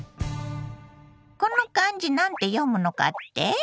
この漢字なんて読むのかって？